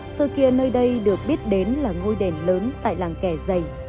sơ kia nơi đây được biết đến là ngôi đền lớn tại làng kẻ giày